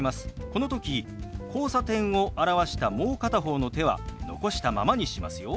この時「交差点」を表したもう片方の手は残したままにしますよ。